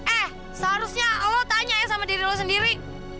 eh seharusnya allah tanya ya sama diri lo sendiri